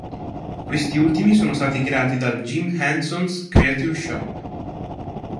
Questi ultimi sono stati creati dal Jim Henson's Creature Shop.